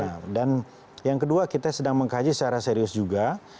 nah dan yang kedua kita sedang mengkaji secara serius juga